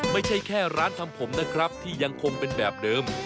ไม่ใช่แค่ร้านทำผมนะครับที่ยังคงเป็นแบบเดิม